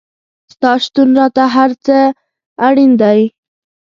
ستا شتون راته تر هر څه اړین دی